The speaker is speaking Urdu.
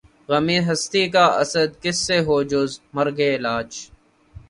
غم ہستی کا اسدؔ کس سے ہو جز مرگ علاج